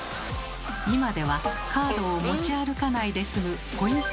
今ではカードを持ち歩かないで済むポイント